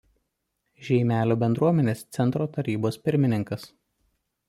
Žeimelio bendruomenės centro tarybos pirmininkas.